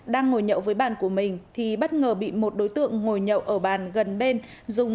đang ngồi nhậu với bàn của mình thì bất ngờ bị một đối tượng ngồi nhậu ở bàn gần bên dùng